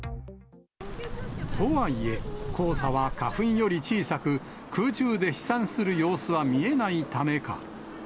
とはいえ、黄砂は花粉より小さく、空中で飛散する様子は見えないためか。